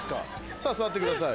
さぁ座ってください。